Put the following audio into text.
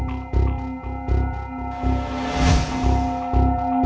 apa bener kata yoli